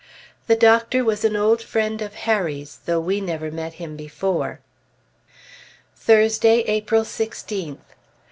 The Doctor was an old friend of Harry's, though we never met him before. Thursday, April 16th.